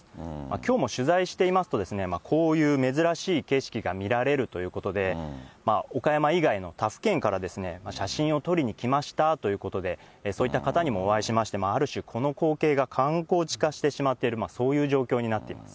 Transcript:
きょうも取材していますと、こういう珍しい景色が見られるということで、岡山以外の他府県から写真を撮りに来ましたということで、そういった方にもお会いしまして、ある種、この光景が観光地化してしまっている、そういう状況になっています。